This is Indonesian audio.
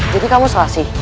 jadi kamu selassie